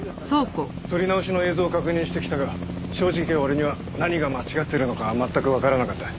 撮り直しの映像を確認してきたが正直俺には何が間違ってるのか全くわからなかった。